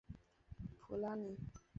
普拉尼。